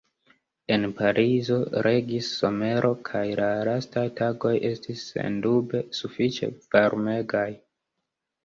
En Parizo regis somero kaj la lastaj tagoj estis sendube sufiĉe varmegaj.